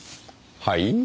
はい？